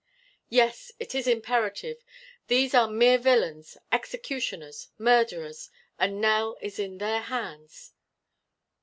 "Yes! It is imperative! These are mere villains, executioners, murderers, and Nell is in their hands!"